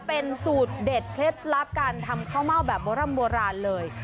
เป็นสูตรเด็ดเคล็ดลับการทำข้าวเม่าแบบโบร่ำโบราณเลย